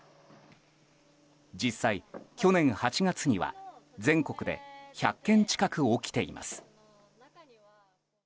実際、去年８月には全国で１００件近く起きています。